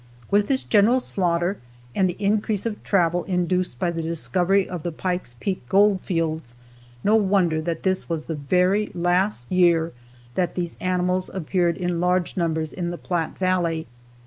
With this general slaughter and the increase of travel induced by the discovery of the Pike's Peak gold fields, no wonder that this was the very last year that these animals appeared in large numbers in the Platte valley.